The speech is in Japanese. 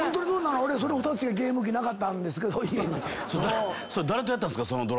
俺２つしかゲーム機なかったんですけど家に。